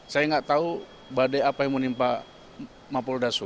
saya nggak tahu badai apa yang menimpa mapolda su